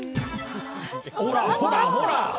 ほらほらほら！